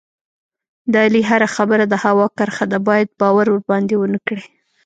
د علي هره خبره د هوا کرښه ده، باید باور ورباندې و نه کړې.